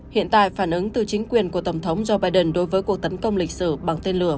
hiện tại phản ứng từ chính quyền của tổng thống joe biden đối với cuộc tấn công lịch sử bằng tên lửa